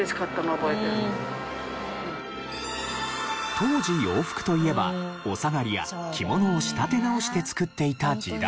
当時洋服といえばお下がりや着物を仕立て直して作っていた時代。